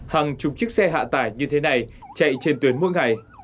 hàng chục chiếc xe hạ tải như thế này chạy trên tuyến mỗi ngày